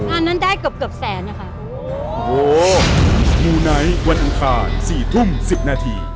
อันนั้นได้เกือบแสน